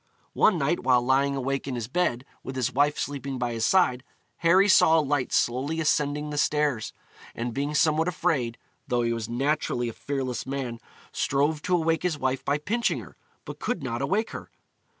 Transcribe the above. One night, while lying awake in his bed, with his wife sleeping by his side, Harry saw a light slowly ascending the stairs, and being somewhat afraid, though he was naturally a fearless man, strove to awake his wife by pinching her, but could not awake her.